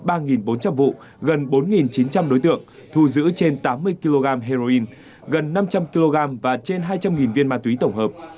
tội phạm ma túy phát hiện trên ba bốn trăm linh vụ gần bốn chín trăm linh đối tượng thu giữ trên tám mươi kg heroin gần năm trăm linh kg và trên hai trăm linh viên ma túy tổng hợp